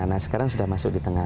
nah sekarang sudah masuk di tengah